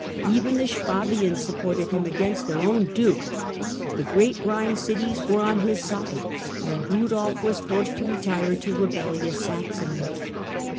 Even the Swabians supported him against their own duke, the great Ehine cities were on his side, and Kudolf was forced to retire to rebellious Saxony.